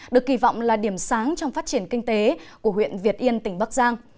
được kỳ vọng là điểm sáng trong phát triển kinh tế của huyện việt yên tỉnh bắc giang